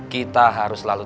kita harus selalu